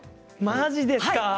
まじですか？